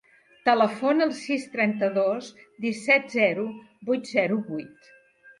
Telefona al sis, trenta-dos, disset, zero, vuit, zero, vuit.